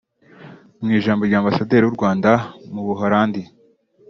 Mu ijambo rya Ambasaderi w’u Rwanda mu Buholandi